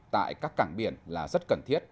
tại các cảng biển là rất cần thiết